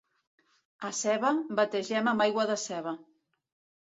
A Seva, bategen amb aigua de ceba.